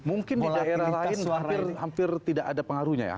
mungkin di daerah lain hampir tidak ada pengaruhnya ya